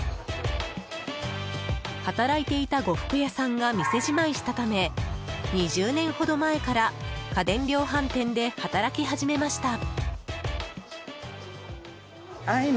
働いていた呉服屋さんが店じまいしたため２０年ほど前から家電量販店で働き始めました。